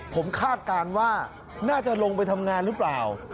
ผมคาดการณ์ว่าน่าจะลงไปทำงานหรือเปล่า